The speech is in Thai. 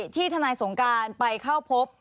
ทนายสงการไปเข้าพบ